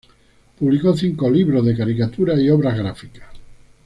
Publicó cinco libros de caricaturas y obras gráficas.